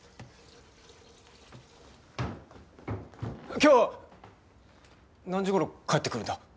今日何時頃帰ってくるんだ？